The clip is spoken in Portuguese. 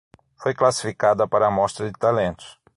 Foi classificada para a mostra de talentos